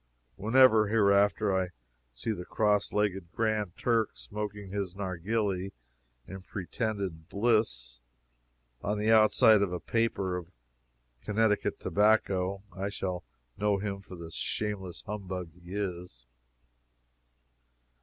Whenever, hereafter, I see the cross legged Grand Turk smoking his narghili, in pretended bliss, on the outside of a paper of Connecticut tobacco, I shall know him for the shameless humbug he is.